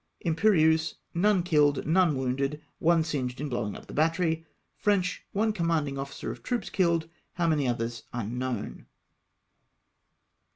Imperieuse. — None killed, none wounded, one singed in blowing up the battery. French. — One commanding officer of troops killed. How many others unknown.